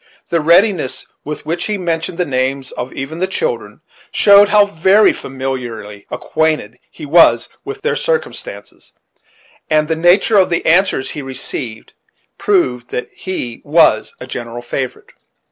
The readiness with which he mentioned the names of even the children, showed how very familiarly acquainted he was with their circumstances; and the nature of the answers he received proved that he was a general favorite.